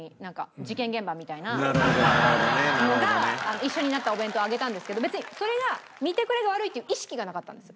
なるほどね。のが一緒になったお弁当を上げたんですけど別にそれが見てくれが悪いっていう意識がなかったんです。